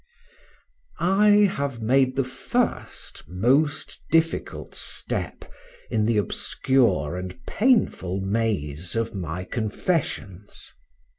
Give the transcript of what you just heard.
I have made the first, most difficult step, in the obscure and painful maze of my Confessions.